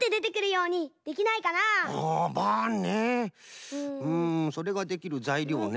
うんそれができるざいりょうね。